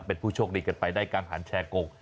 เป็นผู้โชคดีกันไปได้การหันแชร์กง